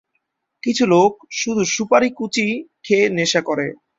কিছু লোক শুধু সুপারি কুচি খেয়ে নেশা করে।